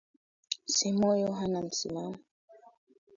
Simuyu hana msimamo.